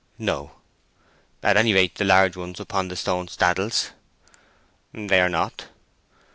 "No." "At any rate, the large ones upon the stone staddles?" "They are not."